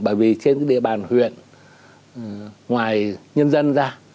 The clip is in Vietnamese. bởi vì trên địa bàn huyện ngoài nhân dân ra